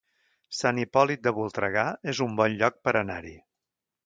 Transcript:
Sant Hipòlit de Voltregà es un bon lloc per anar-hi